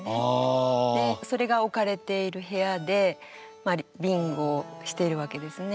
それが置かれている部屋でビンゴをしているわけですね。